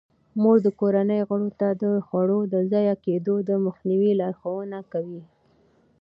مور د کورنۍ غړو ته د خوړو د ضایع کیدو د مخنیوي لارښوونه کوي.